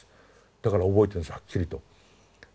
だから覚えてるんですはっきりと。